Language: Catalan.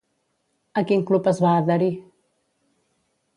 A quin club es va adherir?